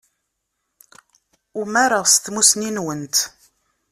Umareɣ s tmussni-nwent.